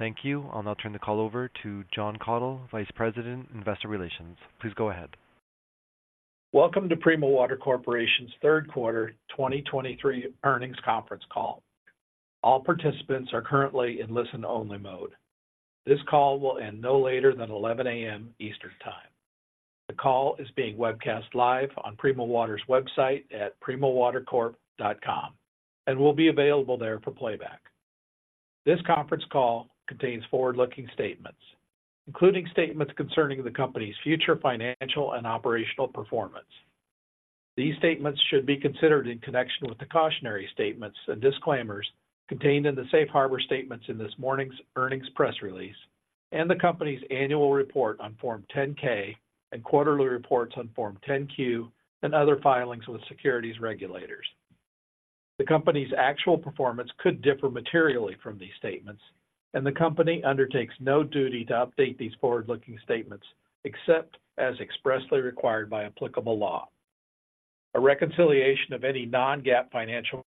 Thank you. I'll now turn the call over to Jon Kathol, Vice President, Investor Relations. Please go ahead. Welcome to Primo Water Corporation's third quarter 2023 earnings conference call. All participants are currently in listen-only mode. This call will end no later than 11:00 A.M. Eastern Time. The call is being webcast live on Primo Water's website at primowatercorp.com and will be available there for playback. This conference call contains forward-looking statements, including statements concerning the company's future financial and operational performance. These statements should be considered in connection with the cautionary statements and disclaimers contained in the safe harbor statements in this morning's earnings press release and the company's annual report on Form 10-K and quarterly reports on Form 10-Q and other filings with securities regulators. The company's actual performance could differ materially from these statements, and the company undertakes no duty to update these forward-looking statements, except as expressly required by applicable law. A reconciliation of any non-GAAP financial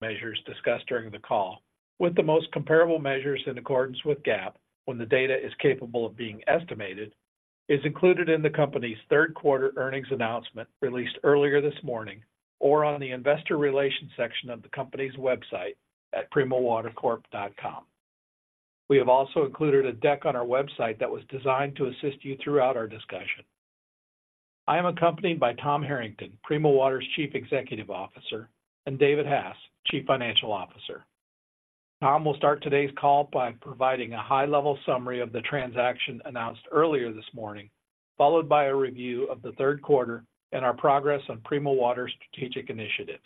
measures discussed during the call with the most comparable measures in accordance with GAAP, when the data is capable of being estimated, is included in the company's third quarter earnings announcement, released earlier this morning, or on the Investor Relations section of the company's website at primowatercorp.com. We have also included a deck on our website that was designed to assist you throughout our discussion. I am accompanied by Tom Harrington, Primo Water's Chief Executive Officer, and David Hass, Chief Financial Officer. Tom will start today's call by providing a high-level summary of the transaction announced earlier this morning, followed by a review of the third quarter and our progress on Primo Water's strategic initiatives.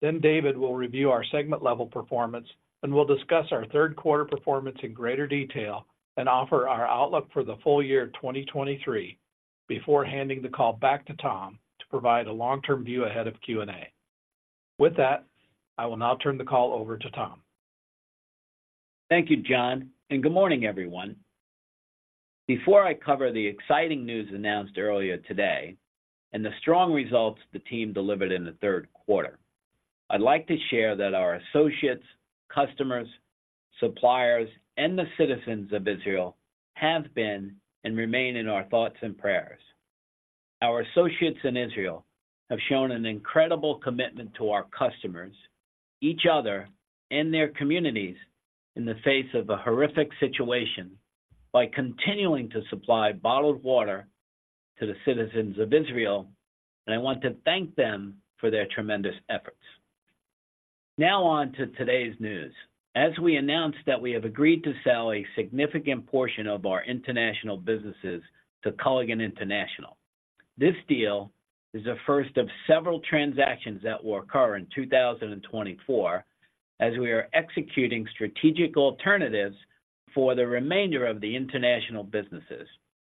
David will review our segment-level performance and will discuss our third quarter performance in greater detail and offer our outlook for the full year of 2023 before handing the call back to Tom to provide a long-term view ahead of Q&A. With that, I will now turn the call over to Tom. Thank you, Jon, and good morning, everyone. Before I cover the exciting news announced earlier today and the strong results the team delivered in the third quarter, I'd like to share that our associates, customers, suppliers, and the citizens of Israel have been and remain in our thoughts and prayers. Our associates in Israel have shown an incredible commitment to our customers, each other, and their communities in the face of a horrific situation by continuing to supply bottled water to the citizens of Israel, and I want to thank them for their tremendous efforts. Now on to today's news. As we announced that we have agreed to sell a significant portion of our International businesses to Culligan International. This deal is the first of several transactions that will occur in 2024, as we are executing strategic alternatives for the remainder of the international businesses,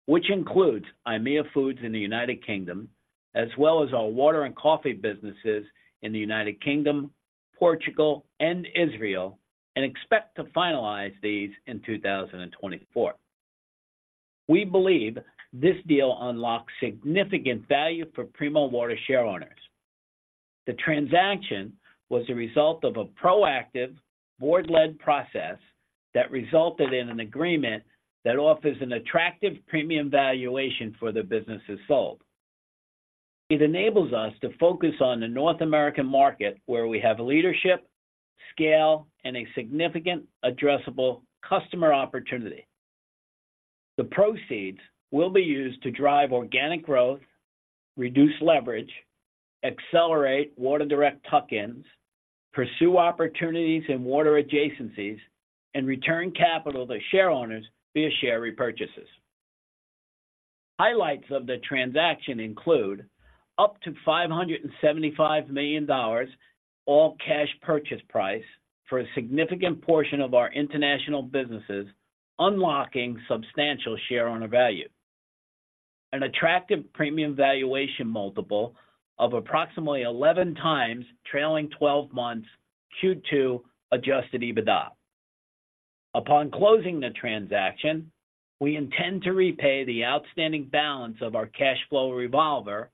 which includes Aimia Foods in the United Kingdom, as well as our water and coffee businesses in the United Kingdom, Portugal, and Israel, and expect to finalize these in 2024. We believe this deal unlocks significant value for Primo Water shareowners. The transaction was the result of a proactive, board-led process that resulted in an agreement that offers an attractive premium valuation for the businesses sold. It enables us to focus on the North American market, where we have leadership, scale, and a significant addressable customer opportunity. The proceeds will be used to drive organic growth, reduce leverage, accelerate Water Direct tuck-ins, pursue opportunities in water adjacencies, and return capital to shareowners via share repurchases. Highlights of the transaction include up to $575 million all-cash purchase price for a significant portion of our international businesses, unlocking substantial shareowner value. An attractive premium valuation multiple of approximately 11x trailing twelve months Q2 Adjusted EBITDA. Upon closing the transaction, we intend to repay the outstanding balance of our cash flow revolver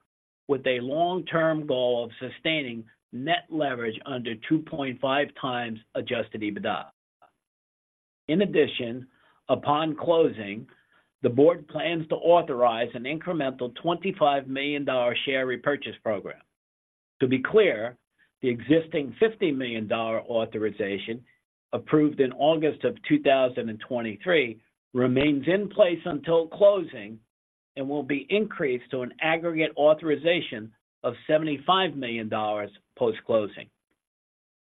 with a long-term goal of sustaining net leverage under 2.5x Adjusted EBITDA. In addition, upon closing, the board plans to authorize an incremental $25 million share repurchase program. To be clear, the existing $50 million authorization, approved in August of 2023, remains in place until closing and will be increased to an aggregate authorization of $75 million post-closing.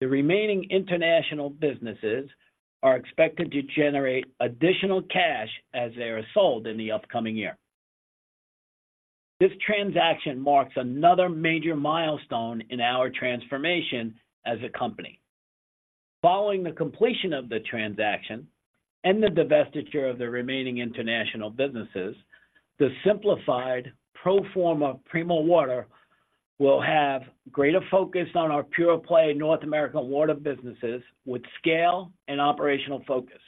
The remaining international businesses are expected to generate additional cash as they are sold in the upcoming year. This transaction marks another major milestone in our transformation as a company. Following the completion of the transaction and the divestiture of the remaining international businesses, the simplified pro forma Primo Water will have greater focus on our pure-play North American water businesses with scale and operational focus....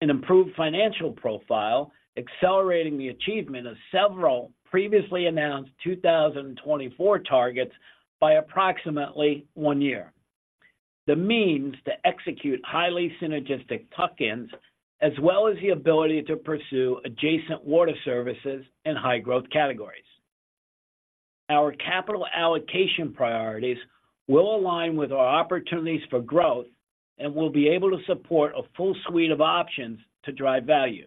An improved financial profile, accelerating the achievement of several previously announced 2024 targets by approximately one year. The means to execute highly synergistic tuck-ins, as well as the ability to pursue adjacent water services and high growth categories. Our capital allocation priorities will align with our opportunities for growth, and we'll be able to support a full suite of options to drive value.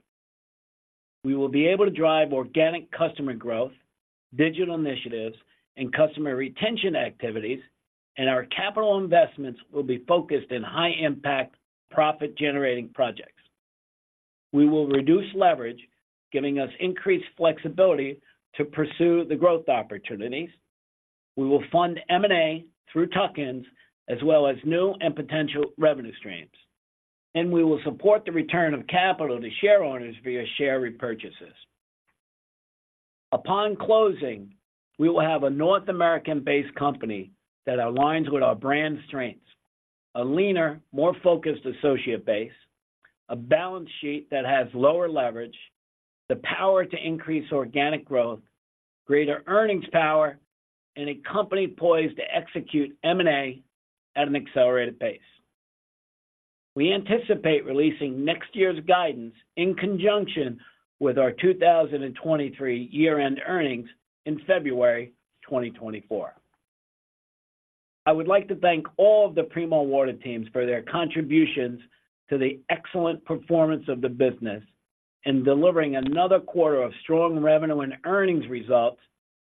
We will be able to drive organic customer growth, digital initiatives, and customer retention activities, and our capital investments will be focused in high-impact, profit-generating projects. We will reduce leverage, giving us increased flexibility to pursue the growth opportunities. We will fund M&A through tuck-ins, as well as new and potential revenue streams. We will support the return of capital to shareowners via share repurchases. Upon closing, we will have a North American-based company that aligns with our brand strengths, a leaner, more focused associate base, a balance sheet that has lower leverage, the power to increase organic growth, greater earnings power, and a company poised to execute M&A at an accelerated pace. We anticipate releasing next year's guidance in conjunction with our 2023 year-end earnings in February 2024. I would like to thank all of the Primo Water teams for their contributions to the excellent performance of the business in delivering another quarter of strong revenue and earnings results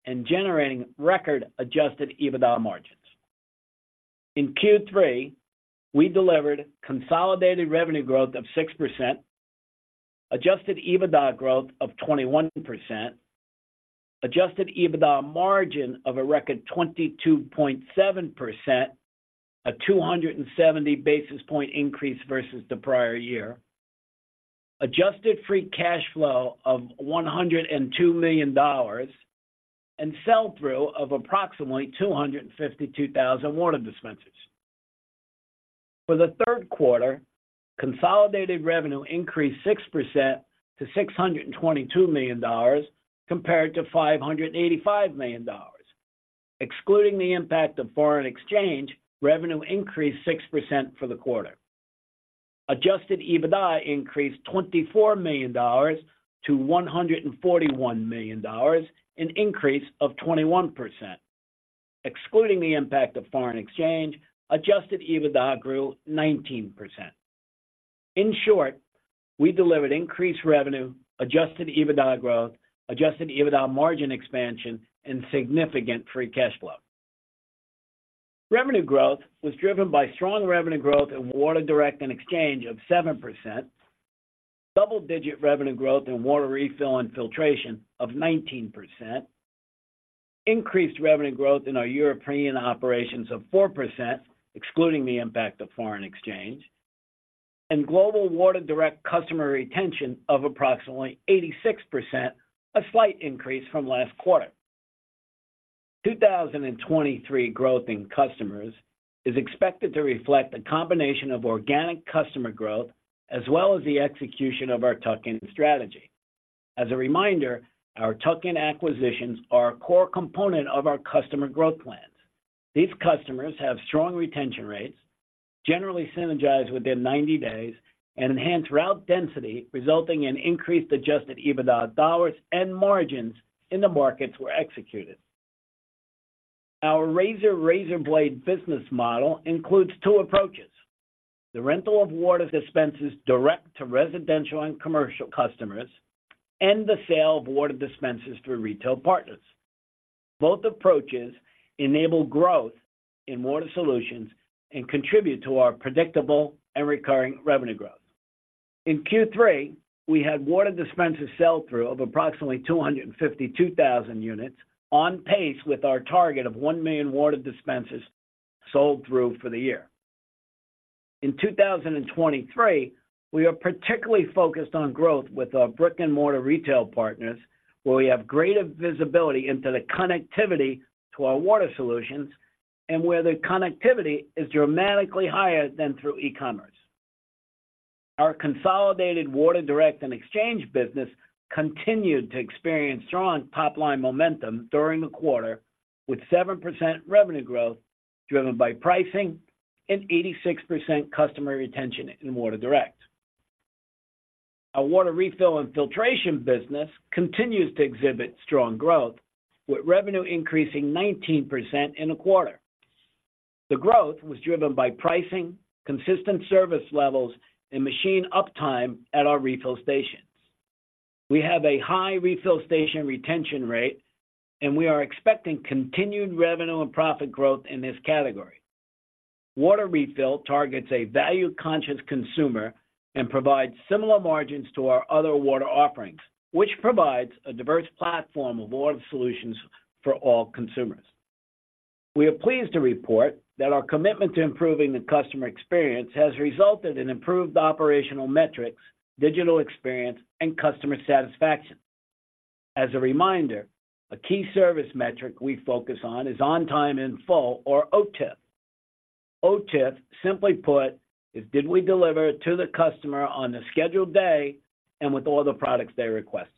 and generating record Adjusted EBITDA margins. In Q3, we delivered consolidated revenue growth of 6%, Adjusted EBITDA growth of 21%, Adjusted EBITDA margin of a record 22.7%, a 270 basis point increase versus the prior year, adjusted free cash flow of $102 million, and sell-through of approximately 252,000 water dispensers. For the third quarter, consolidated revenue increased 6% to $622 million, compared to $585 million. Excluding the impact of foreign exchange, revenue increased 6% for the quarter. Adjusted EBITDA increased $24 million to $141 million, an increase of 21%. Excluding the impact of foreign exchange, Adjusted EBITDA grew 19%. In short, we delivered increased revenue, Adjusted EBITDA growth, Adjusted EBITDA margin expansion, and significant free cash flow. Revenue growth was driven by strong revenue growth in Water Direct and Exchange of 7%, double-digit revenue growth in Water Refill and Filtration of 19%, increased revenue growth in our European operations of 4%, excluding the impact of foreign exchange, and global Water Direct customer retention of approximately 86%, a slight increase from last quarter. 2023 growth in customers is expected to reflect a combination of organic customer growth as well as the execution of our tuck-in strategy. As a reminder, our tuck-in acquisitions are a core component of our customer growth plans. These customers have strong retention rates, generally synergize within 90 days and enhance route density, resulting in increased Adjusted EBITDA dollars and margins in the markets where executed. Our razor-razorblade business model includes two approaches: The rental of water dispensers direct to residential and commercial customers, and the sale of water dispensers through retail partners. Both approaches enable growth in water solutions and contribute to our predictable and recurring revenue growth. In Q3, we had water dispenser sell-through of approximately 252,000 units, on pace with our target of 1 million water dispensers sold through for the year. In 2023, we are particularly focused on growth with our brick-and-mortar retail partners, where we have greater visibility into the connectivity to our water solutions and where the connectivity is dramatically higher than through e-commerce. Our consolidated Water Direct and Exchange business continued to experience strong top-line momentum during the quarter, with 7% revenue growth driven by pricing and 86% customer retention in Water Direct. Our Water Refill and Filtration business continues to exhibit strong growth, with revenue increasing 19% in a quarter. The growth was driven by pricing, consistent service levels, and machine uptime at our refill stations. We have a high refill station retention rate, and we are expecting continued revenue and profit growth in this category. Water Refill targets a value-conscious consumer and provides similar margins to our other water offerings, which provides a diverse platform of water solutions for all consumers. We are pleased to report that our commitment to improving the customer experience has resulted in improved operational metrics, digital experience, and customer satisfaction. As a reminder, a key service metric we focus on is On Time In Full, or OTIF. OTIF, simply put, is did we deliver to the customer on the scheduled day and with all the products they requested?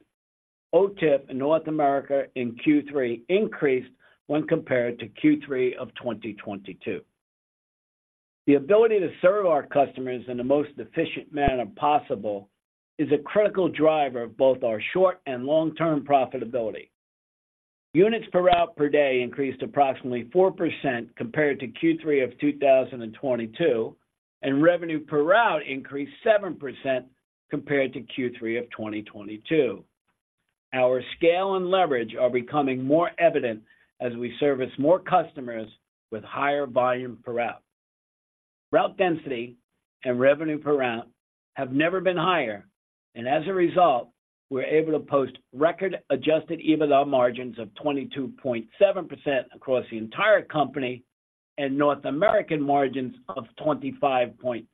OTIF in North America in Q3 increased when compared to Q3 of 2022. The ability to serve our customers in the most efficient manner possible is a critical driver of both our short and long-term profitability. Units per route per day increased approximately 4% compared to Q3 of 2022, and revenue per route increased 7% compared to Q3 of 2022. Our scale and leverage are becoming more evident as we service more customers with higher volume per route. Route density and revenue per route have never been higher, and as a result, we're able to post record adjusted EBITDA margins of 22.7% across the entire company, and North American margins of 25.7%.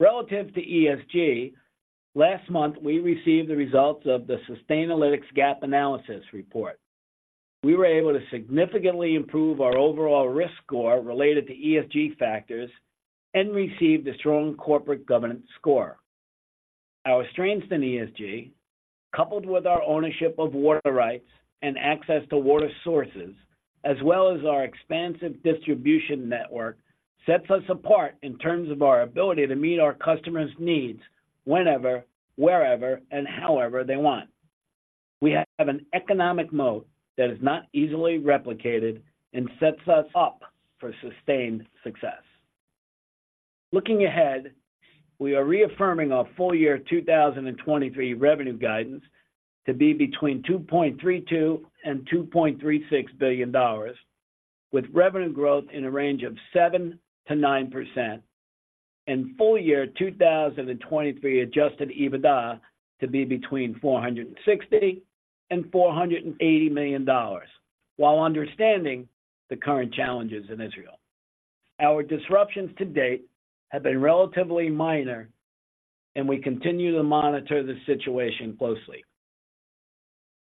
Relative to ESG, last month, we received the results of the Sustainalytics gap analysis report. We were able to significantly improve our overall risk score related to ESG factors and received a strong corporate governance score. Our strengths in ESG, coupled with our ownership of water rights and access to water sources, as well as our expansive distribution network, sets us apart in terms of our ability to meet our customers' needs whenever, wherever, and however they want. We have an economic moat that is not easily replicated and sets us up for sustained success. Looking ahead, we are reaffirming our full year 2023 revenue guidance to be between $2.32 billion-$2.36 billion, with revenue growth in a range of 7%-9%, and full year 2023 Adjusted EBITDA to be between $460 million-$480 million, while understanding the current challenges in Israel. Our disruptions to date have been relatively minor, and we continue to monitor the situation closely.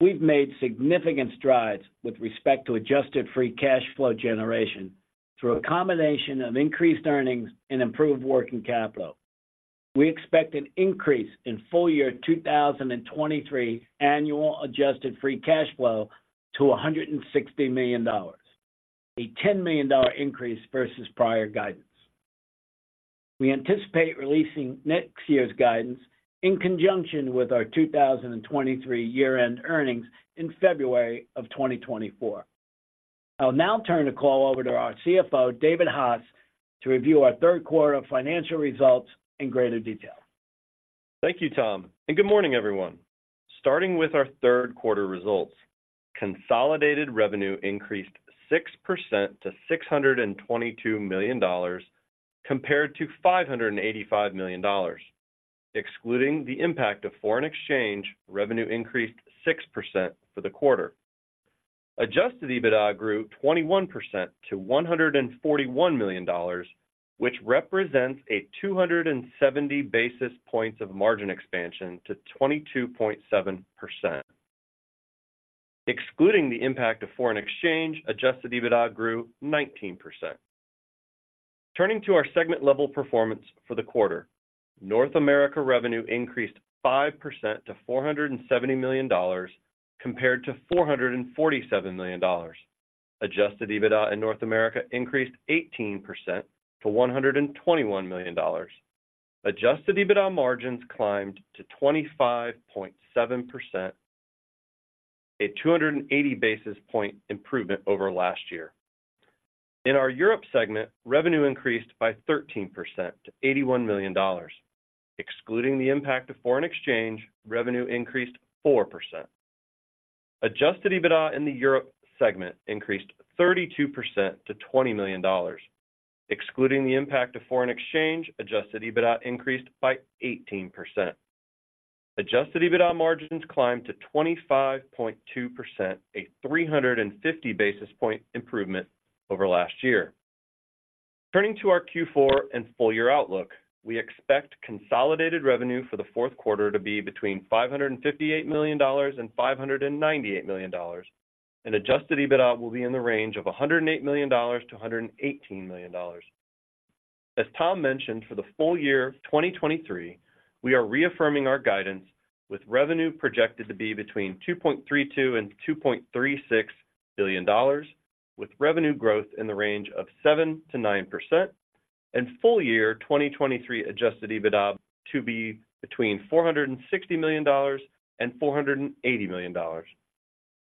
We've made significant strides with respect to adjusted free cash flow generation through a combination of increased earnings and improved working capital. We expect an increase in full year 2023 annual adjusted free cash flow to $160 million, a $10 million increase versus prior guidance. We anticipate releasing next year's guidance in conjunction with our 2023 year-end earnings in February 2024. I'll now turn the call over to our CFO, David Hass, to review our third quarter financial results in greater detail. Thank you, Tom, and good morning, everyone. Starting with our third quarter results, consolidated revenue increased 6% to $622 million, compared to $585 million. Excluding the impact of foreign exchange, revenue increased 6% for the quarter. Adjusted EBITDA grew 21% to $141 million, which represents 270 basis points of margin expansion to 22.7%. Excluding the impact of foreign exchange, adjusted EBITDA grew 19%. Turning to our segment level performance for the quarter, North America revenue increased 5% to $470 million, compared to $447 million. Adjusted EBITDA in North America increased 18% to $121 million. Adjusted EBITDA margins climbed to 25.7%, a 280 basis point improvement over last year. In our Europe segment, revenue increased by 13% to $81 million. Excluding the impact of foreign exchange, revenue increased 4%. Adjusted EBITDA in the Europe segment increased 32% to $20 million. Excluding the impact of foreign exchange, adjusted EBITDA increased by 18%. Adjusted EBITDA margins climbed to 25.2%, a 350 basis point improvement over last year. Turning to our Q4 and full year outlook, we expect consolidated revenue for the fourth quarter to be between $558 million and $598 million, and adjusted EBITDA will be in the range of $108 million-$118 million. As Tom mentioned, for the full year of 2023, we are reaffirming our guidance, with revenue projected to be between $2.32 billion and $2.36 billion, with revenue growth in the range of 7%-9%, and full year 2023 adjusted EBITDA to be between $460 million and $480 million.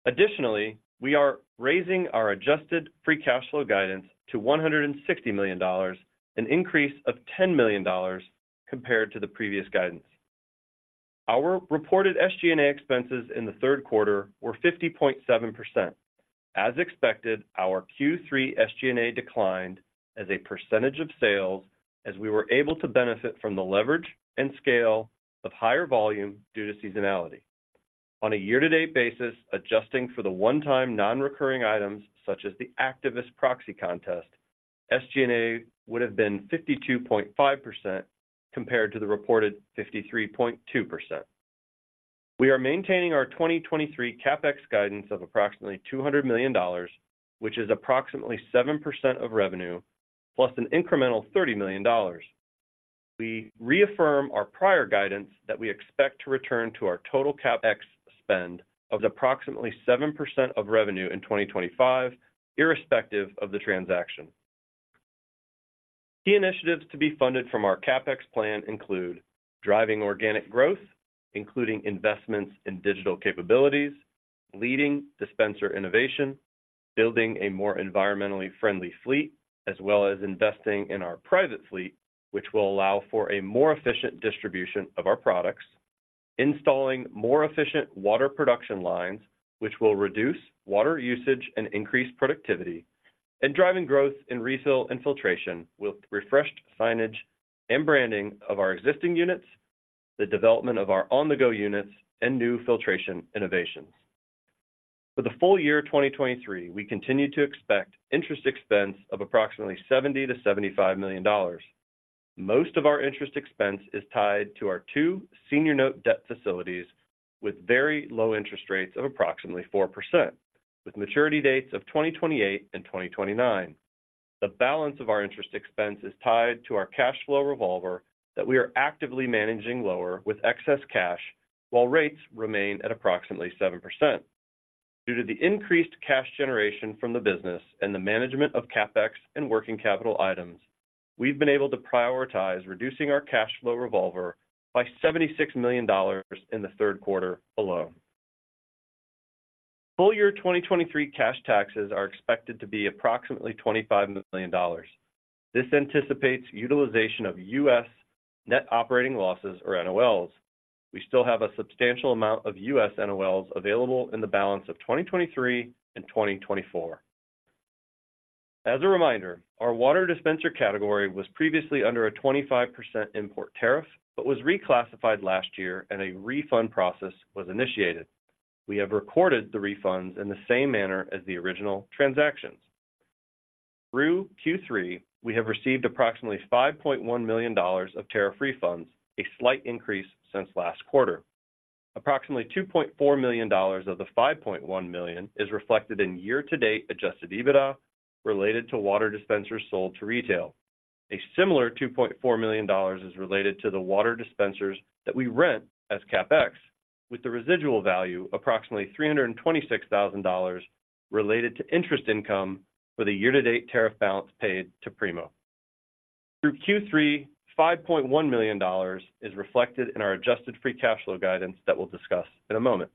Additionally, we are raising our adjusted free cash flow guidance to $160 million, an increase of $10 million compared to the previous guidance. Our reported SG&A expenses in the third quarter were 50.7%. As expected, our Q3 SG&A declined as a percentage of sales, as we were able to benefit from the leverage and scale of higher volume due to seasonality. On a year-to-date basis, adjusting for the one-time non-recurring items, such as the activist proxy contest, SG&A would have been 52.5% compared to the reported 53.2%. We are maintaining our 2023 CapEx guidance of approximately $200 million, which is approximately 7% of revenue, plus an incremental $30 million. We reaffirm our prior guidance that we expect to return to our total CapEx spend of approximately 7% of revenue in 2025, irrespective of the transaction. Key initiatives to be funded from our CapEx plan include: driving organic growth, including investments in digital capabilities, leading dispenser innovation, building a more environmentally friendly fleet, as well as investing in our private fleet, which will allow for a more efficient distribution of our products. Installing more efficient water production lines, which will reduce water usage and increase productivity, and driving growth in refill and filtration with refreshed signage and branding of our existing units, the development of our on-the-go units, and new filtration innovations. For the full year 2023, we continue to expect interest expense of approximately $70 million-$75 million. Most of our interest expense is tied to our two senior note debt facilities with very low interest rates of approximately 4%, with maturity dates of 2028 and 2029. The balance of our interest expense is tied to our cash flow revolver that we are actively managing lower with excess cash, while rates remain at approximately 7%. Due to the increased cash generation from the business and the management of CapEx and working capital items, we've been able to prioritize reducing our cash flow revolver by $76 million in the third quarter alone. Full year 2023 cash taxes are expected to be approximately $25 million. This anticipates utilization of U.S. net operating losses or NOLs. We still have a substantial amount of U.S. NOLs available in the balance of 2023 and 2024. As a reminder, our water dispenser category was previously under a 25% import tariff, but was reclassified last year and a refund process was initiated. We have recorded the refunds in the same manner as the original transactions. Through Q3, we have received approximately $5.1 million of tariff refunds, a slight increase since last quarter. Approximately $2.4 million of the $5.1 million is reflected in year-to-date adjusted EBITDA related to water dispensers sold to retail. A similar $2.4 million is related to the water dispensers that we rent as CapEx, with the residual value, approximately $326,000, related to interest income for the year-to-date tariff balance paid to Primo. Through Q3, $5.1 million is reflected in our adjusted free cash flow guidance that we'll discuss in a moment.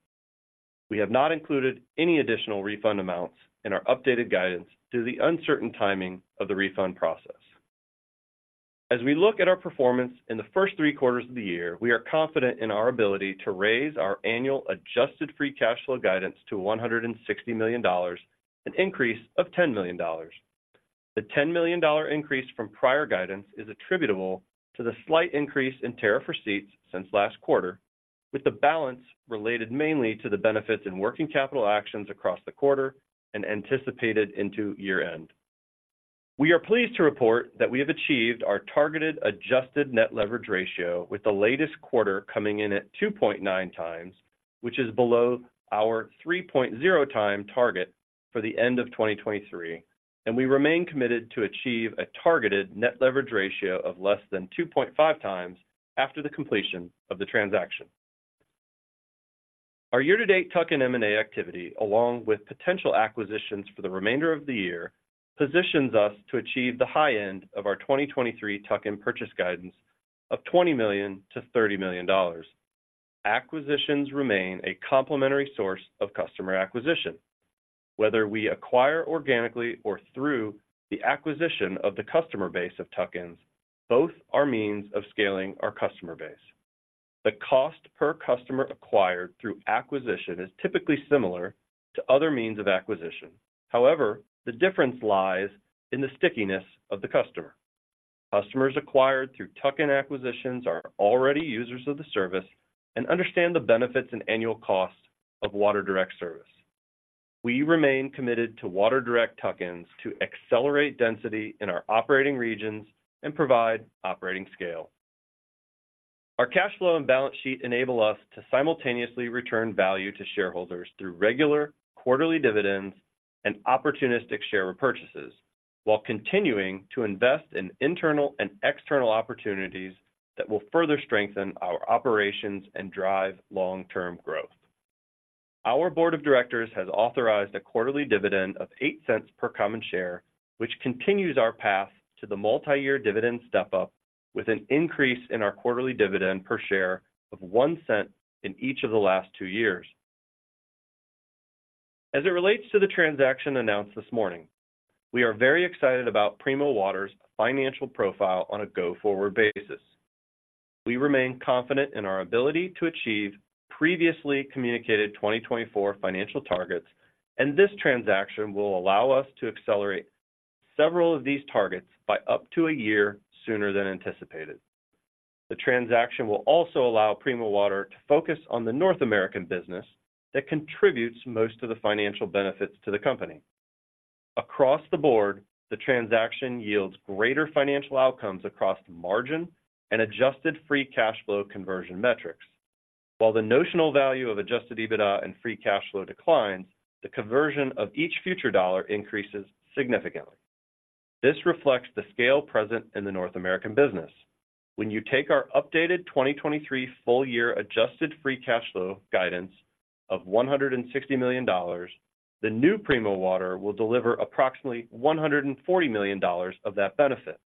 We have not included any additional refund amounts in our updated guidance due to the uncertain timing of the refund process. As we look at our performance in the first three quarters of the year, we are confident in our ability to raise our annual adjusted free cash flow guidance to $160 million, an increase of $10 million. The $10 million increase from prior guidance is attributable to the slight increase in tariff receipts since last quarter, with the balance related mainly to the benefits in working capital actions across the quarter and anticipated into year-end. We are pleased to report that we have achieved our targeted adjusted net leverage ratio, with the latest quarter coming in at 2.9x, which is below our 3.0x target for the end of 2023, and we remain committed to achieve a targeted net leverage ratio of less than 2.5x after the completion of the transaction. Our year-to-date tuck-in M&A activity, along with potential acquisitions for the remainder of the year, positions us to achieve the high end of our 2023 tuck-in purchase guidance of $20 million-$30 million. Acquisitions remain a complementary source of customer acquisition. Whether we acquire organically or through the acquisition of the customer base of tuck-ins, both are means of scaling our customer base. The cost per customer acquired through acquisition is typically similar to other means of acquisition. However, the difference lies in the stickiness of the customer. Customers acquired through tuck-in acquisitions are already users of the service and understand the benefits and annual cost of Water Direct service. We remain committed to Water Direct tuck-ins to accelerate density in our operating regions and provide operating scale. Our cash flow and balance sheet enable us to simultaneously return value to shareholders through regular quarterly dividends and opportunistic share repurchases, while continuing to invest in internal and external opportunities that will further strengthen our operations and drive long-term growth. Our board of directors has authorized a quarterly dividend of $0.08 per common share, which continues our path to the multi-year dividend step up, with an increase in our quarterly dividend per share of $0.01 in each of the last two years. As it relates to the transaction announced this morning, we are very excited about Primo Water's financial profile on a go-forward basis. We remain confident in our ability to achieve previously communicated 2024 financial targets, and this transaction will allow us to accelerate several of these targets by up to a year sooner than anticipated. The transaction will also allow Primo Water to focus on the North American business that contributes most of the financial benefits to the company. Across the board, the transaction yields greater financial outcomes across margin and adjusted free cash flow conversion metrics. While the notional value of adjusted EBITDA and free cash flow declines, the conversion of each future dollar increases significantly. This reflects the scale present in the North American business. When you take our updated 2023 full-year adjusted free cash flow guidance of $160 million, the new Primo Water will deliver approximately $140 million of that benefit.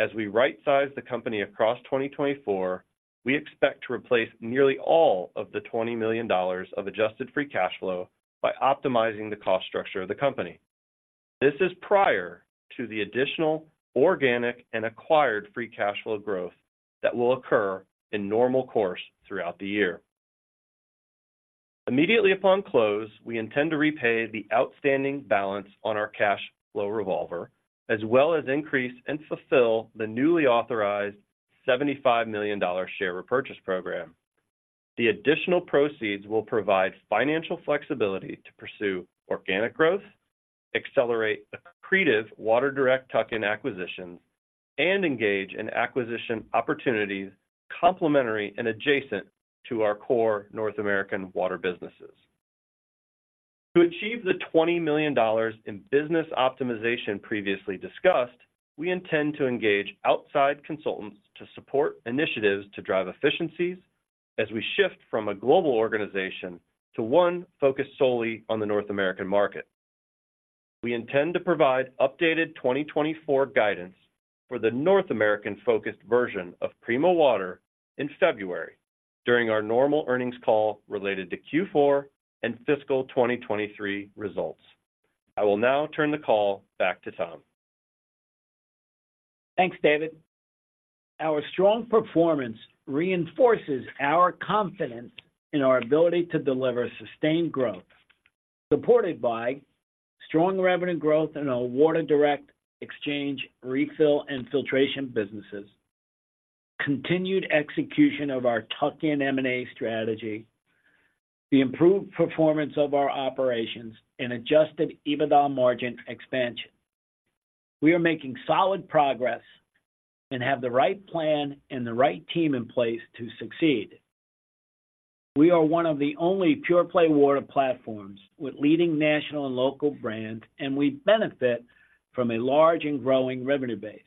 As we rightsize the company across 2024, we expect to replace nearly all of the $20 million of adjusted free cash flow by optimizing the cost structure of the company. This is prior to the additional organic and acquired free cash flow growth that will occur in normal course throughout the year. Immediately upon close, we intend to repay the outstanding balance on our cash flow revolver, as well as increase and fulfill the newly authorized $75 million share repurchase program. The additional proceeds will provide financial flexibility to pursue organic growth, accelerate accretive Water Direct tuck-in acquisitions, and engage in acquisition opportunities complementary and adjacent to our core North American water businesses. To achieve the $20 million in business optimization previously discussed, we intend to engage outside consultants to support initiatives to drive efficiencies as we shift from a global organization to one focused solely on the North American market. We intend to provide updated 2024 guidance for the North American-focused version of Primo Water in February, during our normal earnings call related to Q4 and fiscal 2023 results. I will now turn the call back to Tom. Thanks, David. Our strong performance reinforces our confidence in our ability to deliver sustained growth, supported by strong revenue growth in our Water Direct, Exchange, Refill, and filtration businesses, continued execution of our tuck-in M&A strategy, the improved performance of our operations, and Adjusted EBITDA margin expansion. We are making solid progress and have the right plan and the right team in place to succeed. We are one of the only pure-play water platforms with leading national and local brands, and we benefit from a large and growing revenue base.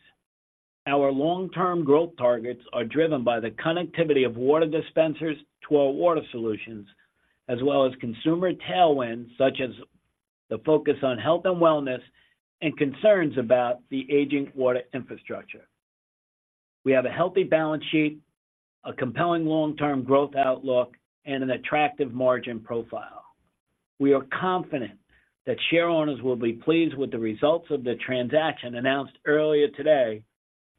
Our long-term growth targets are driven by the connectivity of water dispensers to our water solutions, as well as consumer tailwinds, such as the focus on health and wellness and concerns about the aging water infrastructure. We have a healthy balance sheet, a compelling long-term growth outlook, and an attractive margin profile. We are confident that shareowners will be pleased with the results of the transaction announced earlier today,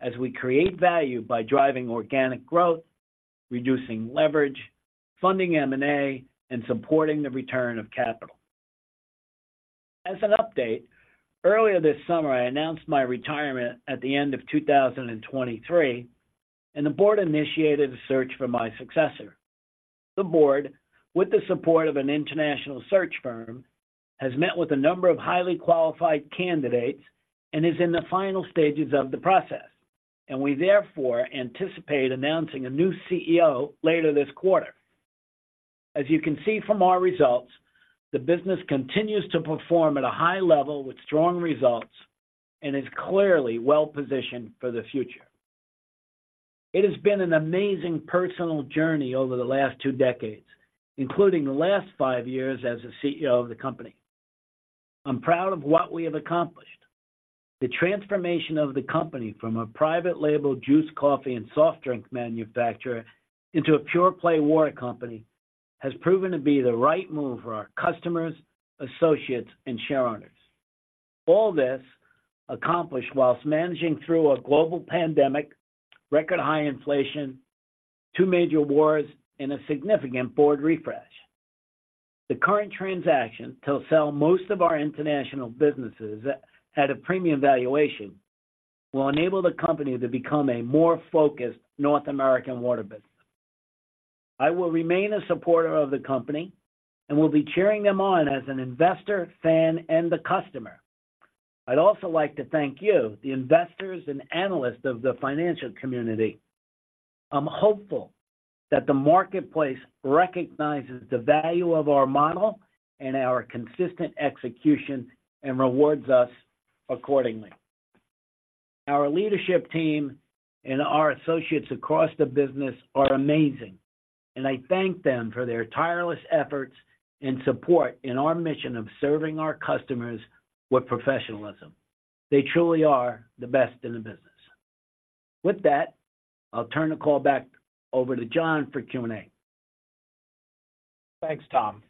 as we create value by driving organic growth, reducing leverage, funding M&A, and supporting the return of capital. As an update, earlier this summer, I announced my retirement at the end of 2023, and the board initiated a search for my successor. The board, with the support of an international search firm, has met with a number of highly qualified candidates and is in the final stages of the process, and we therefore anticipate announcing a new CEO later this quarter. As you can see from our results, the business continues to perform at a high level with strong results and is clearly well-positioned for the future. It has been an amazing personal journey over the last two decades, including the last five years as the CEO of the company. I'm proud of what we have accomplished. The transformation of the company from a private label juice, coffee, and soft drink manufacturer into a pure-play water company, has proven to be the right move for our customers, associates, and shareowners. All this accomplished whilst managing through a global pandemic, record high inflation, two major wars, and a significant board refresh. The current transaction to sell most of our international businesses at a premium valuation will enable the company to become a more focused North American water business. I will remain a supporter of the company and will be cheering them on as an investor, fan, and a customer. I'd also like to thank you, the investors and analysts of the financial community. I'm hopeful that the marketplace recognizes the value of our model and our consistent execution, and rewards us accordingly. Our leadership team and our associates across the business are amazing, and I thank them for their tireless efforts and support in our mission of serving our customers with professionalism. They truly are the best in the business. With that, I'll turn the call back over to Jon for Q&A. Thanks, Tom.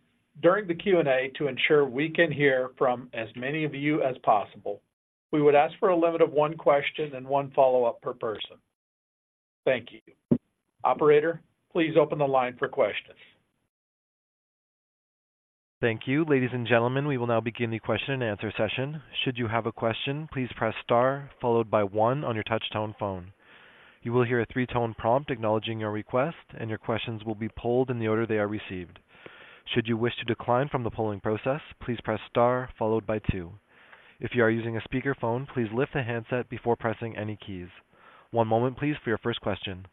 During the Q&A, to ensure we can hear from as many of you as possible, we would ask for a limit of one question and one follow-up per person. Thank you. Operator, please open the line for questions. ...Thank you. Ladies and gentlemen, we will now begin the question-and-answer session. Should you have a question, please press star followed by one on your touchtone phone. You will hear a three-tone prompt acknowledging your request, and your questions will be polled in the order they are received. Should you wish to decline from the polling process, please press star followed by two. If you are using a speakerphone, please lift the handset before pressing any keys. One moment please, for your first question.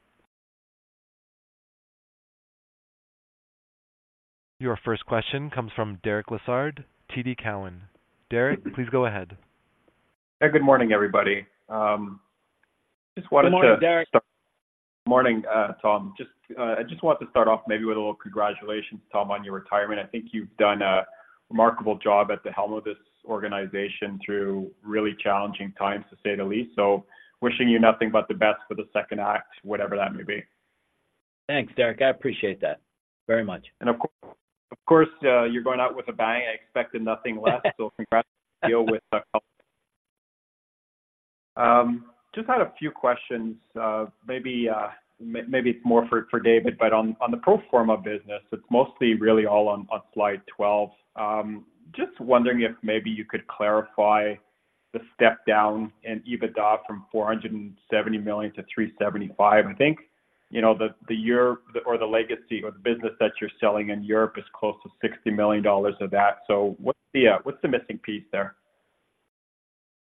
Your first question comes from Derek Lessard, TD Cowen. Derek, please go ahead. Hey, good morning, everybody. Just wanted to- Good morning, Derek. Morning, Tom. Just, I just wanted to start off maybe with a little congratulations, Tom, on your retirement. I think you've done a remarkable job at the helm of this organization through really challenging times, to say the least. So wishing you nothing but the best for the second act, whatever that may be. Thanks, Derek. I appreciate that very much. Of course, you're going out with a bang. I expected nothing less. Congrats to you with the help. Just had a few questions. Maybe it's more for David, but on the pro forma business, it's mostly really all on slide 12. Just wondering if maybe you could clarify the step down in EBITDA from $470 million-$375 million. I think, you know, the Europe or the legacy or the business that you're selling in Europe is close to $60 million of that. So what's the missing piece there?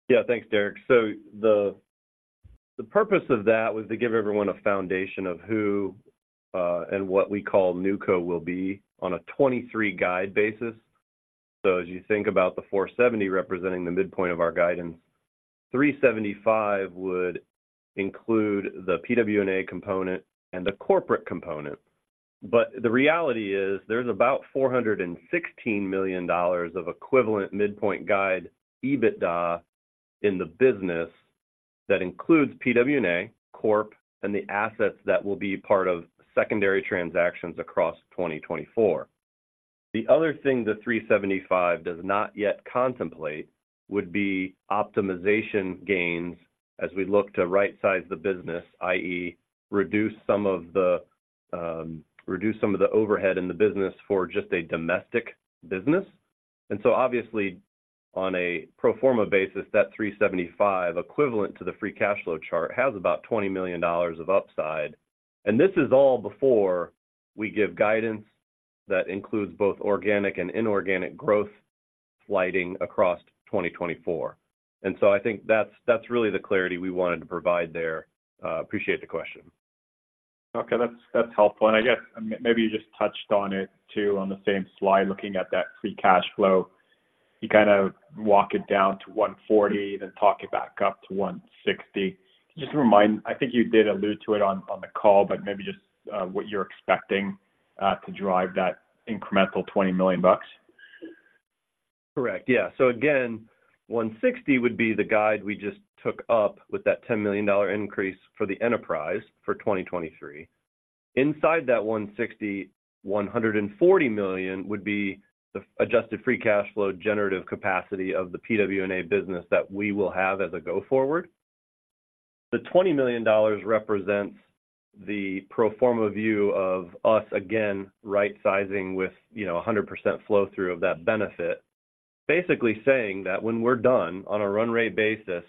Yeah, thanks, Derek. So the purpose of that was to give everyone a foundation of who and what we call NewCo will be on a 2023 guide basis. So as you think about the $470 representing the midpoint of our guidance, $375 would include the PWNA component and the corporate component. But the reality is there's about $416 million of equivalent midpoint guide, EBITDA, in the business that includes PWNA, corp, and the assets that will be part of secondary transactions across 2024. The other thing the $375 does not yet contemplate would be optimization gains as we look to right-size the business, i.e., reduce some of the overhead in the business for just a domestic business. And so obviously, on a pro forma basis, that 375 equivalent to the free cash flow chart has about $20 million of upside. And this is all before we give guidance that includes both organic and inorganic growth sliding across 2024. And so I think that's, that's really the clarity we wanted to provide there. Appreciate the question. Okay, that's, that's helpful. And I guess maybe you just touched on it too, on the same slide, looking at that free cash flow. You kind of walk it down to $140 million, then talk it back up to $160 million. Just remind. I think you did allude to it on, on the call, but maybe just, what you're expecting, to drive that incremental $20 million. Correct. Yeah. So again, $160 million would be the guide we just took up with that $10 million increase for the enterprise for 2023. Inside that $160 million, $140 million would be the adjusted free cash flow generative capacity of the PWNA business that we will have as a go-forward. The $20 million represents the pro forma view of us, again, right-sizing with, you know, 100% flow-through of that benefit. Basically saying that when we're done on a run rate basis,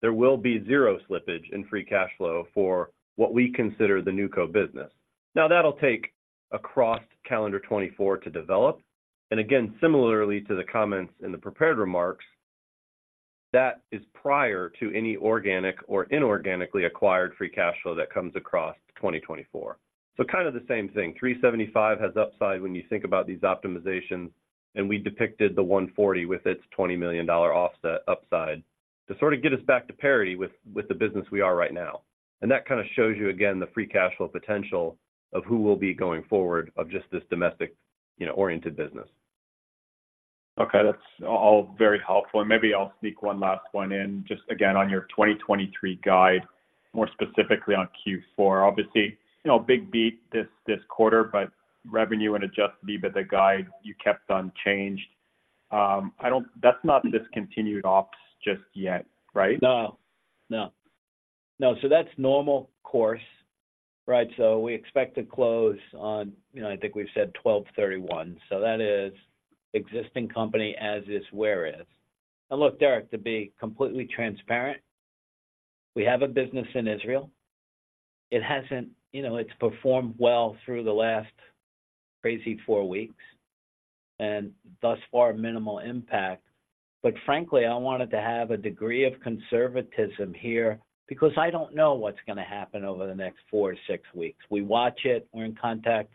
there will be zero slippage in free cash flow for what we consider the NewCo business. Now, that'll take across calendar 2024 to develop. And again, similarly to the comments in the prepared remarks, that is prior to any organic or inorganically acquired free cash flow that comes across 2024. So kind of the same thing, 375 has upside when you think about these optimizations, and we depicted the 140 with its $20 million offset upside to sort of get us back to parity with, with the business we are right now. And that kind of shows you, again, the free cash flow potential of who will be going forward of just this domestic, you know, oriented business. Okay, that's all very helpful. And maybe I'll sneak one last one in, just again on your 2023 guide, more specifically on Q4. Obviously, you know, big beat this quarter, but revenue and adjusted EBITDA guide, you kept unchanged. I don't. That's not discontinued ops just yet, right? No, no. No, so that's normal course, right? So we expect to close on, you know, I think we've said 12/31. So that is existing company as is, where is. And look, Derek, to be completely transparent, we have a business in Israel. It hasn't... You know, it's performed well through the last crazy four weeks, and thus far, minimal impact. But frankly, I wanted to have a degree of conservatism here because I don't know what's going to happen over the next four to six weeks. We watch it. We're in contact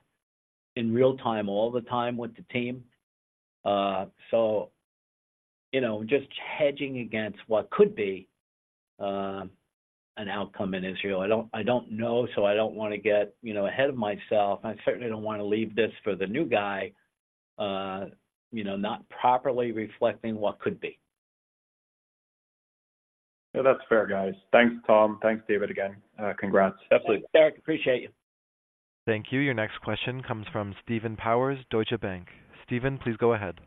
in real time, all the time with the team. So you know, just hedging against what could be an outcome in Israel. I don't, I don't know, so I don't want to get, you know, ahead of myself. I certainly don't want to leave this for the new guy, you know, not properly reflecting what could be. Yeah, that's fair, guys. Thanks, Tom. Thanks, David again. Congrats. Absolutely, Derek. Appreciate you. Thank you. Your next question comes from Stephen Powers, Deutsche Bank. Stephen, please go ahead....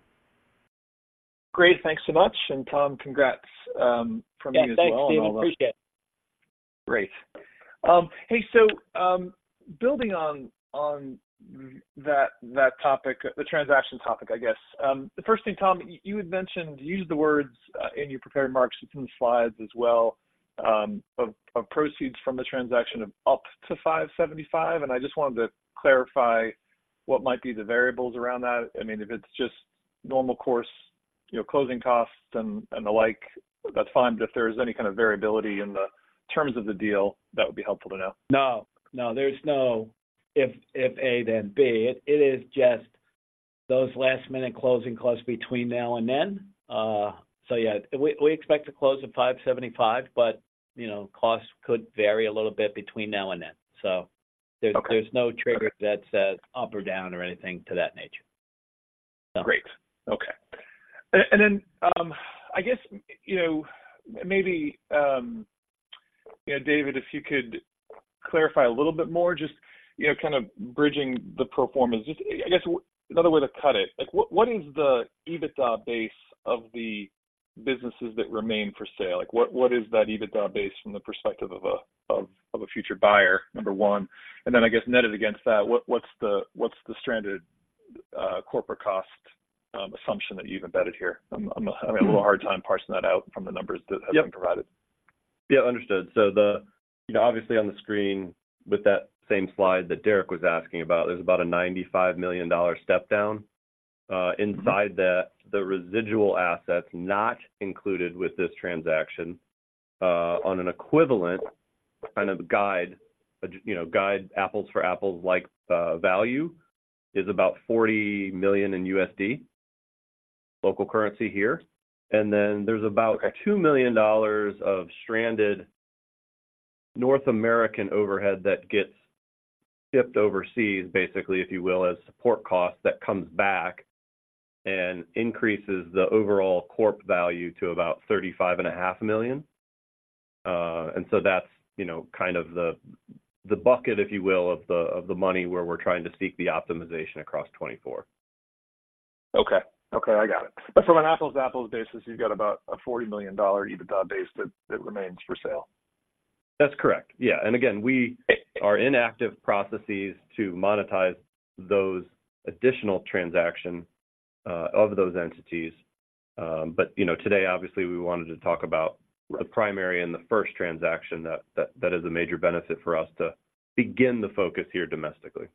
Great, thanks so much, and Tom, congrats from me as well. Yeah, thanks, David. Appreciate it. Great. Hey, so, building on that topic, the transaction topic, I guess. The first thing, Tom, you had mentioned, used the words in your prepared remarks and some slides as well, of proceeds from the transaction of up to $575, and I just wanted to clarify what might be the variables around that. I mean, if it's just normal course, you know, closing costs and the like, that's fine. But if there's any kind of variability in the terms of the deal, that would be helpful to know. No. No, there's no if, if A, then B. It is just those last-minute closing costs between now and then. So yeah, we expect to close at $575, but you know, costs could vary a little bit between now and then. So- Okay. There's no trigger that says up or down or anything to that nature. Great. Okay. And then, I guess, you know, maybe, you know, David, if you could clarify a little bit more, just, you know, kind of bridging the pro formas. Just, I guess, another way to cut it, like, what is the EBITDA base of the businesses that remain for sale? Like, what is that EBITDA base from the perspective of a future buyer, number one? And then, I guess, netted against that, what is the stranded corporate cost assumption that you've embedded here? I'm, I'm- Mm-hmm. Having a little hard time parsing that out from the numbers that have been provided. Yeah, understood. So the... You know, obviously, on the screen, with that same slide that Derek was asking about, there's about a $95 million step down. Mm-hmm. Inside that, the residual assets not included with this transaction, on an equivalent kind of guide, you know, guide, apples-for-apples like, value, is about $40 million in USD, local currency here. And then there's about- Okay... $2 million of stranded North American overhead that gets shipped overseas, basically, if you will, as support costs that comes back and increases the overall corp value to about $35.5 million. And so that's, you know, kind of the bucket, if you will, of the money where we're trying to seek the optimization across 2024. Okay. Okay, I got it. But from an apples-to-apples basis, you've got about a $40 million EBITDA base that remains for sale? That's correct. Yeah, and again, we are in active processes to monetize those additional transaction of those entities. But, you know, today, obviously, we wanted to talk about the primary and the first transaction that is a major benefit for us to begin the focus here domestically.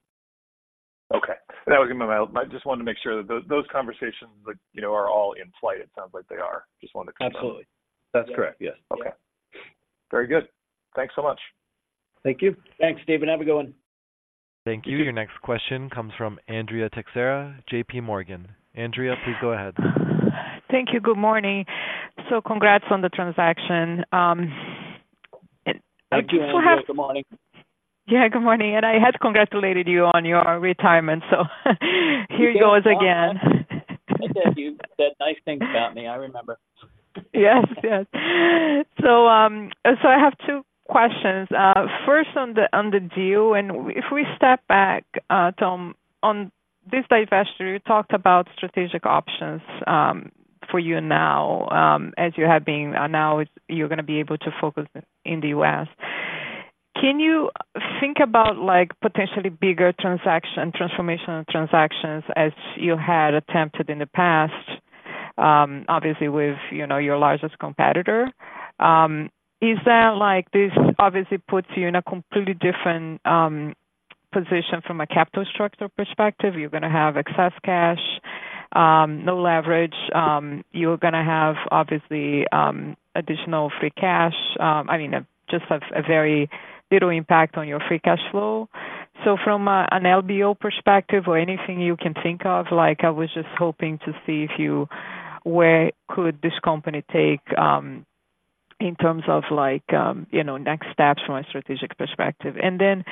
Okay. That was in my mind. I just wanted to make sure that those conversations, like, you know, are all in flight. It sounds like they are. Just wanted to confirm. Absolutely. That's correct, yes. Okay. Very good. Thanks so much. Thank you. Thanks, David. Have a good one. Thank you. Your next question comes from Andrea Teixeira, JP Morgan. Andrea, please go ahead. Thank you. Good morning. So congrats on the transaction. And I do have- Thank you, Andrea. Good morning. Yeah, good morning, and I had congratulated you on your retirement, so here goes again. I said you said nice things about me. I remember. Yes, yes. So, I have two questions. First, on the deal, and if we step back, Tom, on this divestiture, you talked about strategic options, for you now, as you have been, and now it's—you're gonna be able to focus in the U.S. Can you think about, like, potentially bigger transaction, transformational transactions as you had attempted in the past, obviously with, you know, your largest competitor? Is that like... This obviously puts you in a completely different position from a capital structure perspective. You're gonna have excess cash, no leverage. You're gonna have, obviously, additional free cash. I mean, a very little impact on your free cash flow. So from an LBO perspective or anything you can think of, like, I was just hoping to see where you could take this company in terms of like you know next steps from a strategic perspective? And then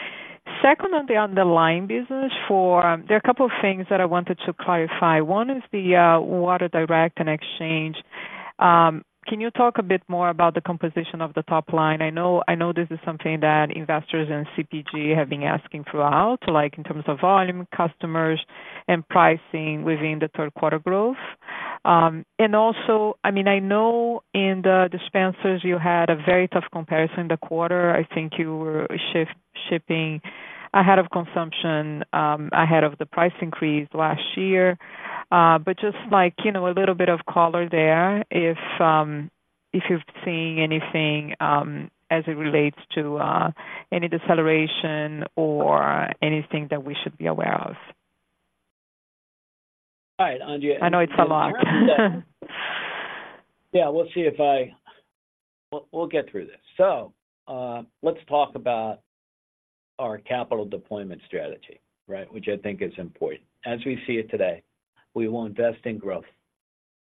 secondly, on the line business, there are a couple of things that I wanted to clarify. One is the Water Direct and Water Exchange. Can you talk a bit more about the composition of the top line? I know, I know this is something that investors in CPG have been asking throughout, like in terms of volume, customers, and pricing within the third quarter growth. And also, I mean, I know in the dispensers you had a very tough comparison the quarter. I think you were shipping ahead of consumption ahead of the price increase last year. But just like, you know, a little bit of color there, if you're seeing anything as it relates to any deceleration or anything that we should be aware of? All right, Andrea- I know it's a lot. Yeah, we'll see if I... We'll get through this. So, let's talk about our capital deployment strategy, right? Which I think is important. As we see it today, we will invest in growth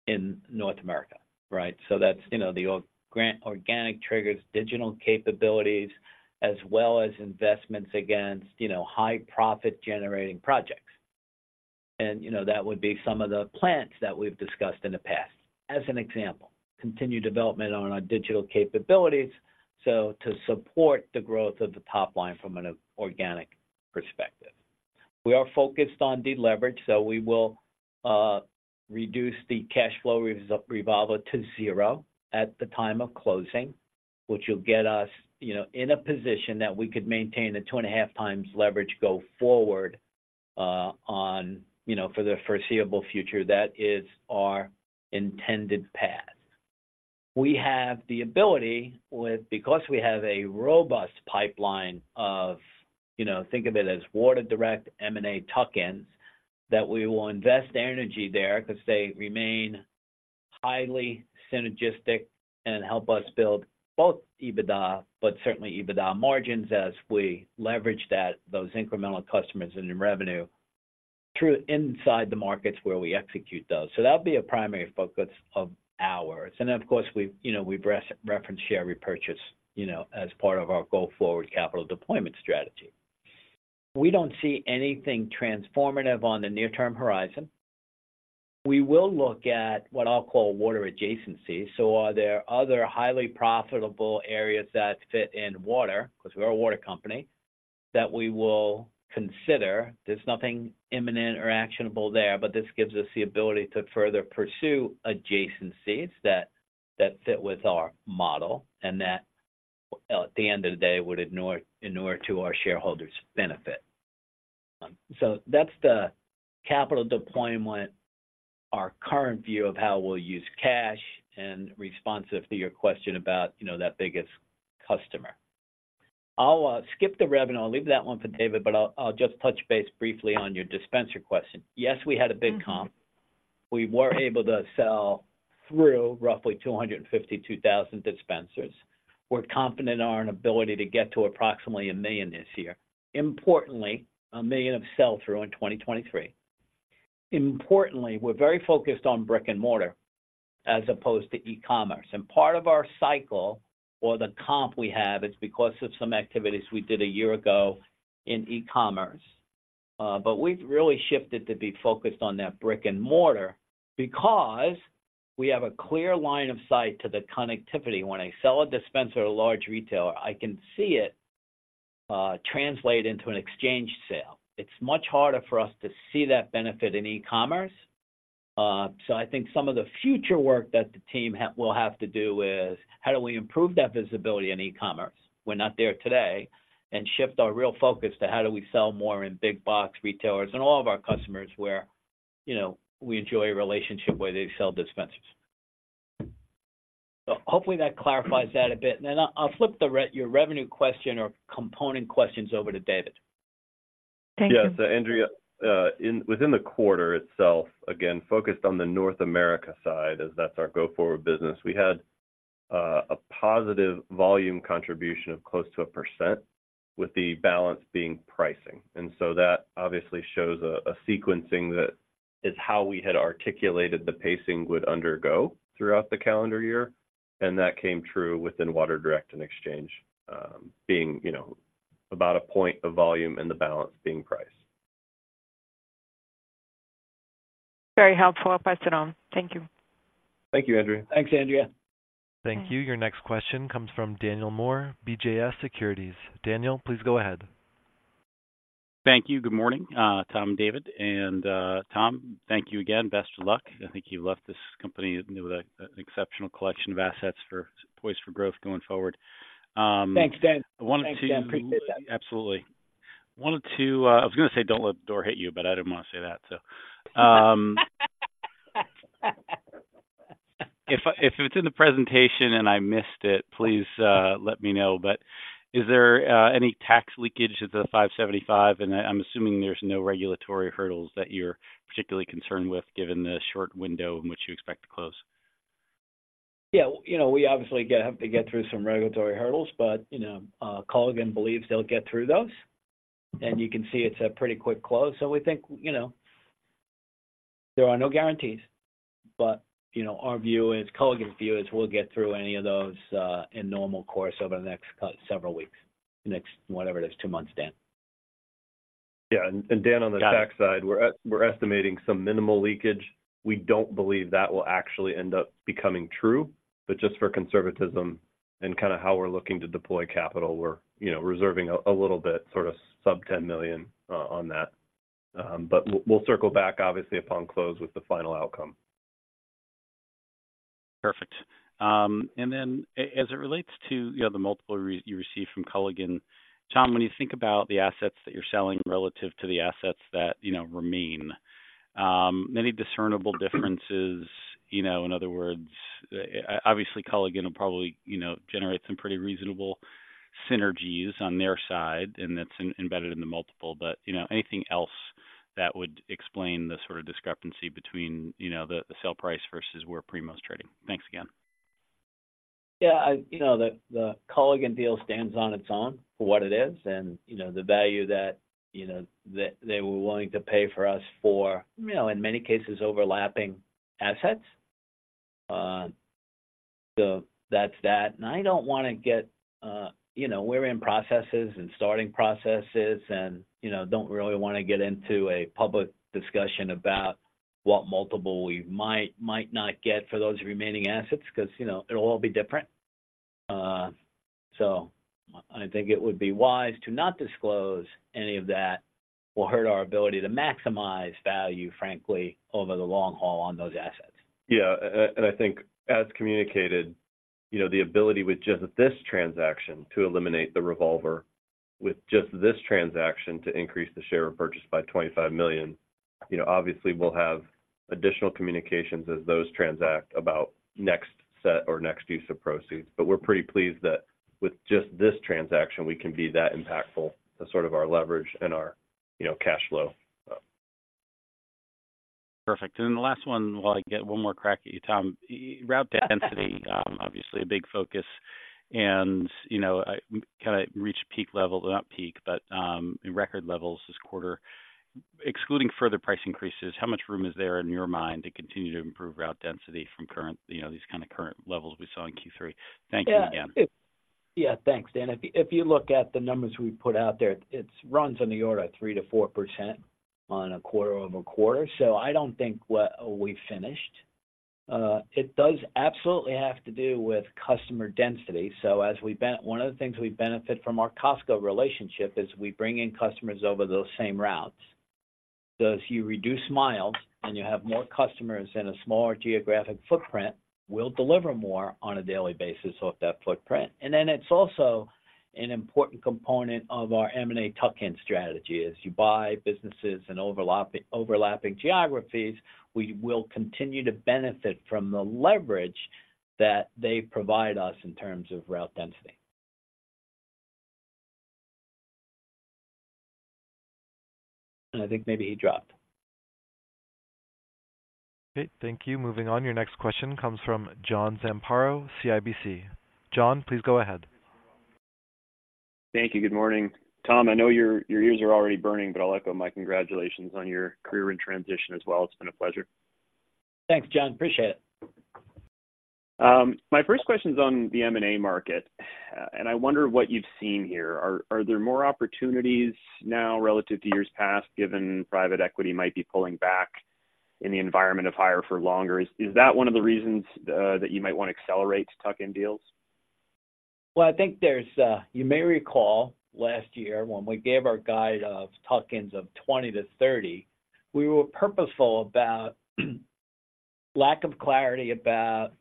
in North America, right? So that's, you know, the organic triggers, digital capabilities, as well as investments against, you know, high profit-generating projects. And, you know, that would be some of the plans that we've discussed in the past. As an example, continued development on our digital capabilities, so to support the growth of the top line from an organic perspective.... We are focused on deleverage, so we will reduce the cash flow revolver to zero at the time of closing, which will get us, you know, in a position that we could maintain the 2.5x leverage go forward, on, you know, for the foreseeable future. That is our intended path. We have the ability because we have a robust pipeline of, you know, think of it as Water Direct M&A tuck-ins, that we will invest energy there 'cause they remain highly synergistic and help us build both EBITDA, but certainly EBITDA margins, as we leverage that, those incremental customers and in revenue through inside the markets where we execute those. So that'll be a primary focus of ours, and then, of course, we, you know, we reference share repurchase, you know, as part of our go-forward capital deployment strategy. We don't see anything transformative on the near-term horizon. We will look at what I'll call water adjacencies. So are there other highly profitable areas that fit in water, 'cause we're a water company, that we will consider? There's nothing imminent or actionable there, but this gives us the ability to further pursue adjacencies that fit with our model and that, at the end of the day, would inure to our shareholders' benefit. So that's the capital deployment, our current view of how we'll use cash, and responsive to your question about, you know, that biggest customer. I'll skip the revenue. I'll leave that one for David, but I'll just touch base briefly on your dispenser question. Yes, we had a big comp. We were able to sell through roughly 252,000 dispensers. We're confident in our ability to get to approximately 1 million this year. Importantly, 1 million of sell-through in 2023. Importantly, we're very focused on brick-and-mortar as opposed to e-commerce, and part of our cycle or the comp we have is because of some activities we did a year ago in e-commerce. But we've really shifted to be focused on that brick-and-mortar because we have a clear line of sight to the connectivity. When I sell a dispenser to a large retailer, I can see it translate into an exchange sale. It's much harder for us to see that benefit in e-commerce. I think some of the future work that the team will have to do is, how do we improve that visibility in e-commerce? We're not there today, and shift our real focus to how do we sell more in big box retailers and all of our customers where, you know, we enjoy a relationship where they sell dispensers? Hopefully that clarifies that a bit, and then I'll flip your revenue question or component questions over to David. Thank you. Yes, Andrea, within the quarter itself, again, focused on the North America side, as that's our go-forward business, we had a positive volume contribution of close to 1%, with the balance being pricing. So that obviously shows a sequencing that is how we had articulated the pacing would undergo throughout the calendar year, and that came true within Water Direct and Exchange, being, you know, about 1 point of volume and the balance being price. Very helpful. Questions on. Thank you. Thank you, Andrea. Thanks, Andrea. Thank you. Your next question comes from Daniel Moore, CJS Securities. Daniel, please go ahead. Thank you. Good morning, Tom and David, and, Tom, thank you again. Best of luck. I think you left this company with an exceptional collection of assets poised for growth going forward. Thanks, Dan. I wanted to- Thanks, Dan. Appreciate that. Absolutely. Wanted to, I was going to say, "Don't let the door hit you," but I didn't want to say that, so, if it's in the presentation and I missed it, please, let me know, but is there any tax leakage to the $575? And I'm assuming there's no regulatory hurdles that you're particularly concerned with, given the short window in which you expect to close. Yeah, you know, we obviously get, have to get through some regulatory hurdles, but, you know, Culligan believes they'll get through those. You can see it's a pretty quick close, so we think, you know, there are no guarantees, but, you know, our view is, Culligan's view is we'll get through any of those, in normal course over the next several weeks, next, whatever it is, two months, Dan. Yeah, and Dan, on the- Yeah ...on the tax side, we're estimating some minimal leakage. We don't believe that will actually end up becoming true, but just for conservatism and kind of how we're looking to deploy capital, we're, you know, reserving a little bit, sort of sub-$10 million on that. But we'll circle back obviously upon close with the final outcome. Perfect. And then as it relates to, you know, the multiple you received from Culligan, Tom, when you think about the assets that you're selling relative to the assets that, you know, remain, any discernible differences? You know, in other words, obviously, Culligan will probably, you know, generate some pretty reasonable synergies on their side, and that's embedded in the multiple, but, you know, anything else that would explain the sort of discrepancy between, you know, the, the sale price versus where Primo's trading? Thanks again. Yeah, you know, the Culligan deal stands on its own for what it is, and, you know, the value that, you know, that they were willing to pay for us for, you know, in many cases, overlapping assets. So that's that. And I don't want to get... You know, we're in processes and starting processes and, you know, don't really want to get into a public discussion about what multiple we might, might not get for those remaining assets, 'cause, you know, it'll all be different.... So I think it would be wise to not disclose any of that, will hurt our ability to maximize value, frankly, over the long haul on those assets. Yeah, and I think as communicated, you know, the ability with just this transaction to eliminate the revolver, with just this transaction to increase the share repurchase by $25 million. You know, obviously, we'll have additional communications as those transactions about next set or next use of proceeds. But we're pretty pleased that with just this transaction, we can be that impactful as sort of our leverage and our, you know, cash flow, so. Perfect. And then the last one, while I get one more crack at you, Tom. Route density, obviously a big focus and, you know, kind of reached peak levels, well, not peak, but, in record levels this quarter. Excluding further price increases, how much room is there in your mind to continue to improve route density from current, you know, these kind of current levels we saw in Q3? Thank you again. Yeah, thanks, Dan. If you, if you look at the numbers we put out there, it's runs on the order of 3%-4% on a quarter-over-quarter, so I don't think we're, we've finished. It does absolutely have to do with customer density. So as we bent-- one of the things we benefit from our Costco relationship is we bring in customers over those same routes. So as you reduce miles and you have more customers in a smaller geographic footprint, we'll deliver more on a daily basis off that footprint. And then it's also an important component of our M&A tuck-in strategy. As you buy businesses in overlapping, overlapping geographies, we will continue to benefit from the leverage that they provide us in terms of route density. And I think maybe he dropped. Okay, thank you. Moving on, your next question comes from John Zamparo, CIBC. John, please go ahead. Thank you. Good morning. Tom, I know your ears are already burning, but I'll echo my congratulations on your career and transition as well. It's been a pleasure. Thanks, John, appreciate it. My first question is on the M&A market, and I wonder what you've seen here. Are there more opportunities now relative to years past, given private equity might be pulling back in the environment of higher for longer? Is that one of the reasons that you might want to accelerate tuck-in deals? Well, I think there's... You may recall last year when we gave our guide of tuck-ins of 20-30, we were purposeful about lack of clarity about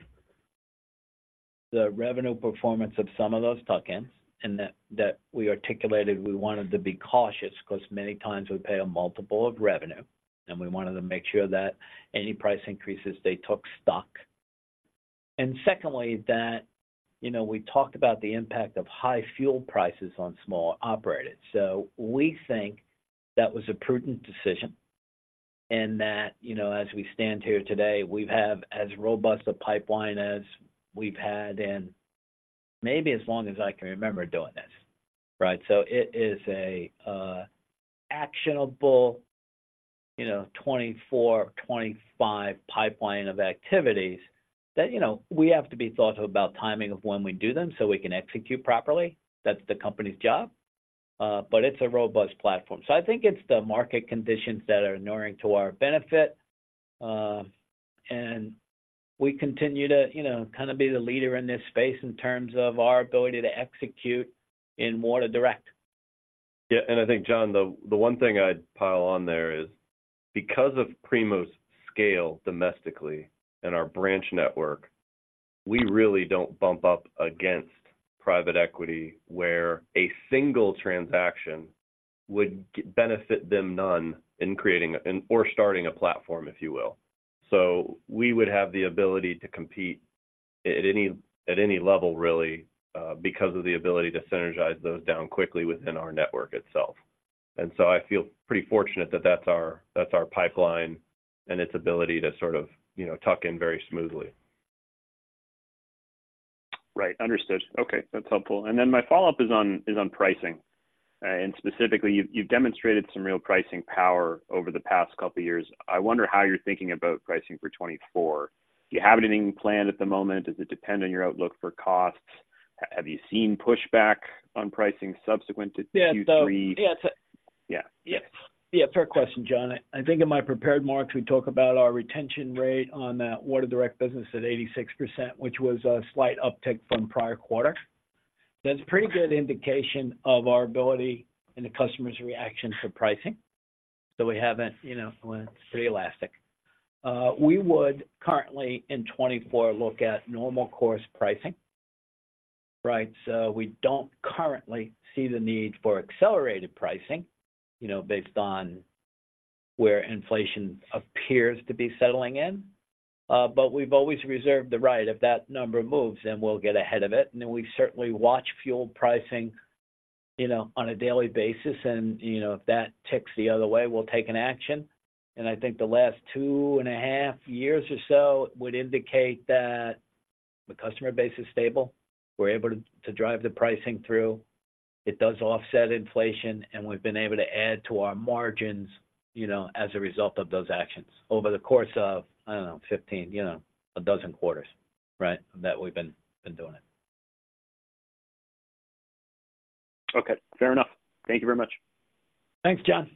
the revenue performance of some of those tuck-ins, and that, that we articulated we wanted to be cautious because many times we pay a multiple of revenue, and we wanted to make sure that any price increases, they took stock. And secondly, that, you know, we talked about the impact of high fuel prices on smaller operators. So we think that was a prudent decision and that, you know, as we stand here today, we have as robust a pipeline as we've had in maybe as long as I can remember doing this, right? So it is a, actionable, you know, 24, 25 pipeline of activities that, you know, we have to be thoughtful about timing of when we do them, so we can execute properly. That's the company's job, but it's a robust platform. So I think it's the market conditions that are inuring to our benefit, and we continue to, you know, kind of be the leader in this space in terms of our ability to execute in more to direct. Yeah, and I think, John, the one thing I'd pile on there is because of Primo's scale domestically and our branch network, we really don't bump up against private equity, where a single transaction would benefit them none in creating a, in or starting a platform, if you will. So we would have the ability to compete at any, at any level really, because of the ability to synergize those down quickly within our network itself. And so I feel pretty fortunate that that's our, that's our pipeline and its ability to sort of, you know, tuck in very smoothly. Right. Understood. Okay, that's helpful. And then my follow-up is on pricing. And specifically, you've demonstrated some real pricing power over the past couple of years. I wonder how you're thinking about pricing for 2024. Do you have anything planned at the moment? Does it depend on your outlook for costs? Have you seen pushback on pricing subsequent to Q3? Yeah, so- Yeah. Yeah. Yeah, fair question, John. I think in my prepared remarks, we talk about our retention rate on that Water Direct business at 86%, which was a slight uptick from prior quarter. That's a pretty good indication of our ability and the customer's reaction to pricing. So we haven't, you know, went pretty elastic. We would currently, in 2024, look at normal course pricing, right? So we don't currently see the need for accelerated pricing, you know, based on where inflation appears to be settling in. But we've always reserved the right. If that number moves, then we'll get ahead of it, and then we certainly watch fuel pricing, you know, on a daily basis, and, you know, if that ticks the other way, we'll take an action. I think the last 2.5 years or so would indicate that the customer base is stable. We're able to drive the pricing through. It does offset inflation, and we've been able to add to our margins, you know, as a result of those actions over the course of, I don't know, 15, you know, 12 quarters, right? That we've been doing it.... Okay, fair enough. Thank you very much. Thanks, John.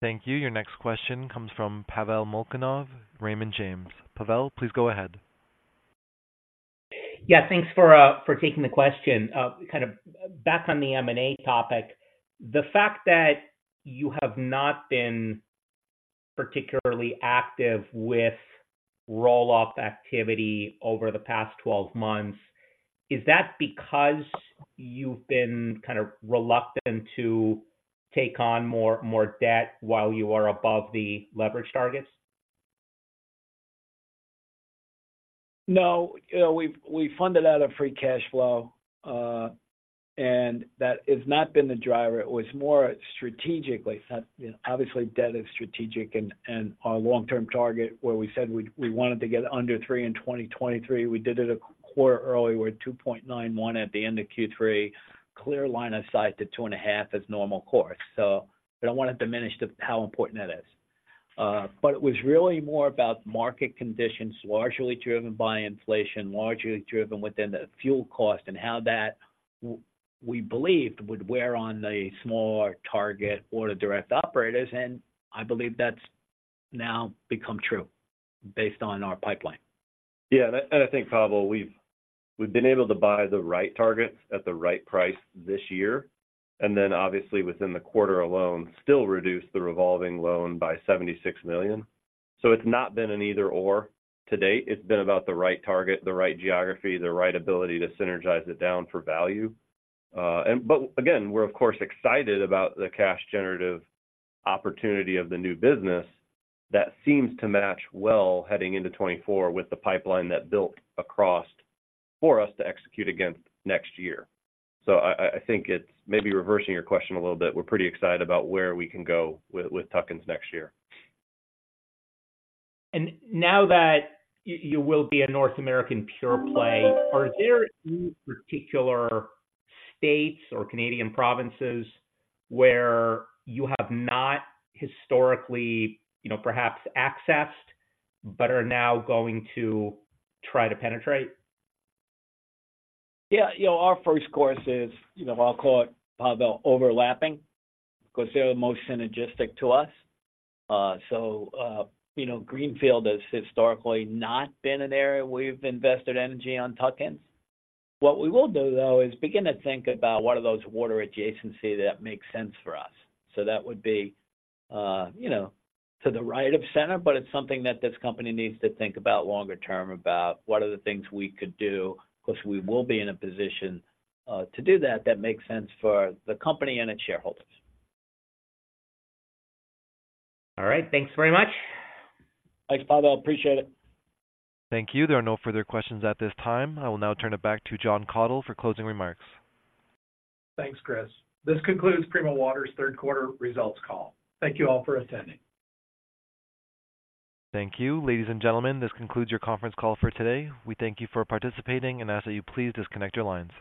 Thank you. Your next question comes from Pavel Molchanov, Raymond James. Pavel, please go ahead. Yeah, thanks for taking the question. Kind of back on the M&A topic. The fact that you have not been particularly active with roll-off activity over the past 12 months, is that because you've been kind of reluctant to take on more debt while you are above the leverage targets? No, you know, we've funded out of free cash flow, and that has not been the driver. It was more strategically. Obviously, debt is strategic, and our long-term target where we said we wanted to get under 3 in 2023, we did it a quarter early. We're at 2.91 at the end of Q3. Clear line of sight to 2.5 as normal course. So I don't want to diminish how important that is. But it was really more about market conditions, largely driven by inflation, largely driven within the fuel cost and how that we believed would wear on the smaller target or the direct operators, and I believe that's now become true based on our pipeline. Yeah, and I think, Pavel, we've been able to buy the right targets at the right price this year, and then obviously within the quarter alone, still reduce the revolving loan by $76 million. So it's not been an either/or to date. It's been about the right target, the right geography, the right ability to synergize it down for value. But again, we're of course excited about the cash generative opportunity of the new business that seems to match well, heading into 2024 with the pipeline that built across for us to execute against next year. So I think it's maybe reversing your question a little bit. We're pretty excited about where we can go with tuck-ins next year. Now that you will be a North American pure play, are there any particular states or Canadian provinces where you have not historically, you know, perhaps accessed but are now going to try to penetrate? Yeah, you know, our first course is, you know, I'll call it the overlapping, because they're the most synergistic to us. So, you know, greenfield has historically not been an area we've invested energy on tuck-ins. What we will do, though, is begin to think about what are those water adjacency that makes sense for us. So that would be, you know, to the right of center, but it's something that this company needs to think about longer term, about what are the things we could do, because we will be in a position to do that, that makes sense for the company and its shareholders. All right. Thanks very much. Thanks, Pavel. Appreciate it. Thank you. There are no further questions at this time. I will now turn it back to Jon Kathol for closing remarks. Thanks, Chris. This concludes Primo Water's third quarter results call. Thank you all for attending. Thank you. Ladies and gentlemen, this concludes your conference call for today. We thank you for participating and ask that you please disconnect your lines.